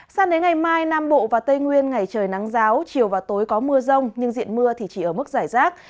sang đến ngày mai nam bộ và tây nguyên ngày trời nắng giáo chiều và tối có mưa rông nhưng diện mưa thì chỉ ở mức giải rác